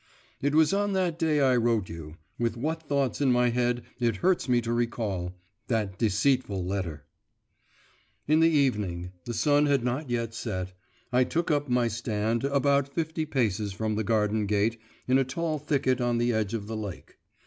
It was on that day I wrote you, with what thoughts in my head it hurts me to recall that deceitful letter. In the evening the sun had not yet set I took up my stand about fifty paces from the garden gate in a tall thicket on the edge of the lake.